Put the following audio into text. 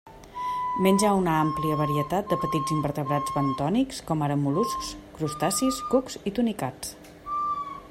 Menja una àmplia varietat de petits invertebrats bentònics, com ara mol·luscs, crustacis, cucs i tunicats.